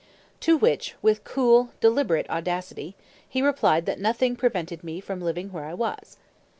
To which, with cool, deliberate audacity, he replied that nothing prevented me from living where I was.